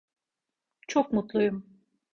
Çok mutluyum.